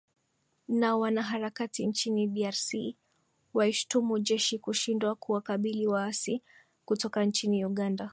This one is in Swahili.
na wanaharakati nchini drc waishtumu jeshi kushindwa kuwakabili waasi kutoka nchini uganda